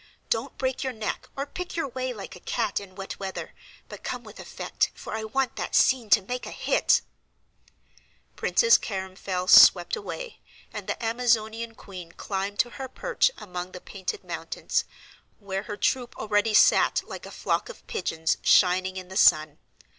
Don't break your neck, or pick your way like a cat in wet weather, but come with effect, for I want that scene to make a hit." [Illustration: CHRISTIE AS QUEEN OF THE AMAZONS.] Princess Caremfil swept away, and the Amazonian queen climbed to her perch among the painted mountains, where her troop already sat like a flock of pigeons shining in the sun.